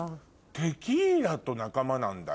テキーラと仲間なんだ。